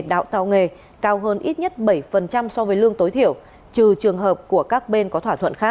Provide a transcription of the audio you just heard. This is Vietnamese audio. đào tạo nghề cao hơn ít nhất bảy so với lương tối thiểu trừ trường hợp của các bên có thỏa thuận khác